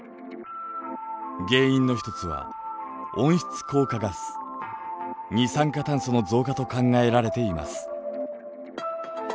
原因の一つは温室効果ガス二酸化炭素の増加と考えられています。